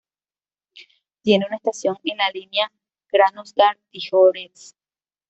Tiene una estación en la línea Krasnodar-Tijoretsk.